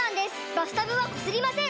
バスタブはこすりません！